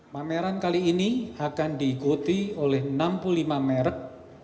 pameran kali ini akan diikuti oleh enam puluh lima merek